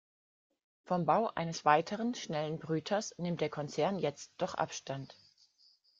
Vom Bau eines weiteren schnellen Brüters nimmt der Konzern jetzt doch Abstand.